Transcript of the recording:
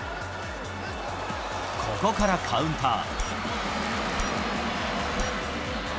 ここからカウンター。